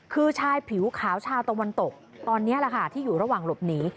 คือชายผิวขาวชาวตะวันตกตอนนี้แหละค่ะที่อยู่ระหว่างหลบหนี